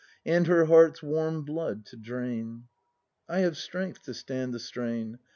And her heart's warm blood to drain! I have strength to stand the strain.